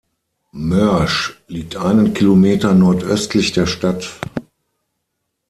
Mörsch liegt einen Kilometer nordöstlich der Stadt.